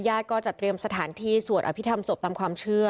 ก็จะเตรียมสถานที่สวดอภิษฐรรศพตามความเชื่อ